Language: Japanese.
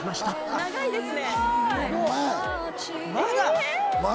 長いですね。